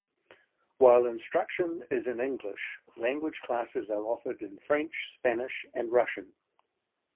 While instruction is in English, language classes are offered in French, Spanish, and Russian.